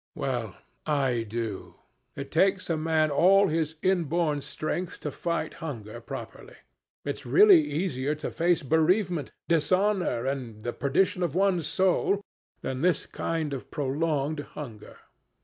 Well, I do. It takes a man all his inborn strength to fight hunger properly. It's really easier to face bereavement, dishonor, and the perdition of one's soul than this kind of prolonged hunger.